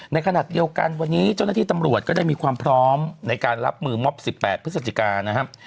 ในขณะเดียวกันวันนี้เจ้าหน้าที่ตำรวจก็ได้มีความพร้อมในการรับมือมอบ๑๘พฤศจิกานะครับ